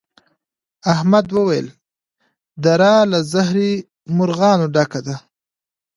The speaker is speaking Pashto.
احمد وويل: دره له زهري مرغانو ډکه ده.